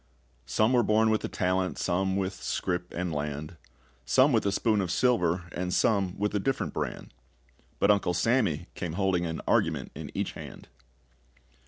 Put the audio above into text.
Some were born with a talent, Some with scrip and land; Some with a spoon of silver, And some with a different brand; But Uncle Sammy came holding an argument in each hand.